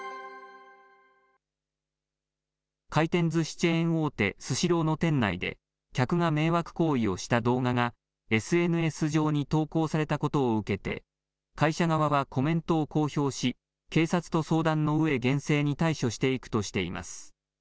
回転ずしチェーン大手、スシローの店内で、客が迷惑行為をした動画が、ＳＮＳ上に投稿されたことを受けて、会社側はコメントを公表し、警察と相談のうえ、厳正に対処していくとしています。